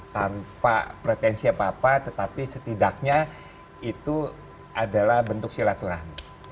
tanpa pretensi apa apa tetapi setidaknya itu adalah bentuk silaturahmi